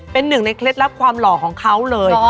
เป็นหนึ่งในเคล็ดลับความหล่อของเขาเลย